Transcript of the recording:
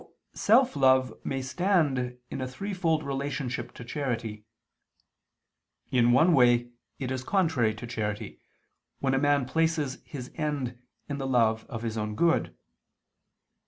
Now self love may stand in a threefold relationship to charity. In one way it is contrary to charity, when a man places his end in the love of his own good.